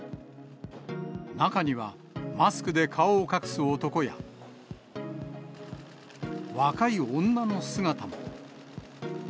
中には、マスクで顔を隠す男や、若い女の姿も。